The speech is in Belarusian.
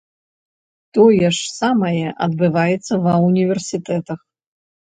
Тое ж самае адбываецца ва ўніверсітэтах.